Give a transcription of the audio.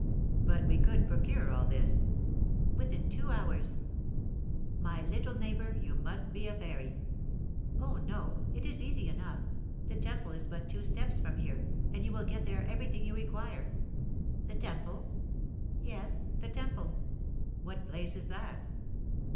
"But we could procure all this?" "Within two hours." "My little neighbour, you must be a fairy!" "Oh, no! it is easy enough. The Temple is but two steps from here, and you will get there everything you require." "The Temple?" "Yes, the Temple." "What place is that?"